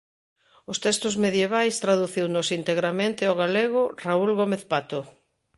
Os textos medievais traduciunos integramente ó galego Raúl Gómez Pato.